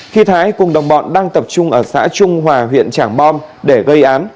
khi thái cùng đồng bọn đang tập trung ở xã trung hòa huyện trảng bom để gây án